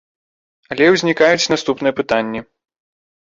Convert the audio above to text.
Але ўзнікаюць наступныя пытанні.